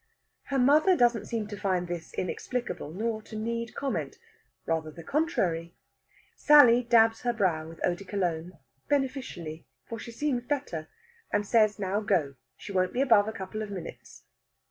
Her mother doesn't seem to find this inexplicable, nor to need comment. Rather the contrary. Sally dabs her brow with eau de Cologne, beneficially, for she seems better, and says now go; she won't be above a couple of minutes.